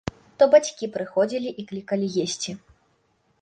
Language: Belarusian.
То бацькі прыходзілі і клікалі есці.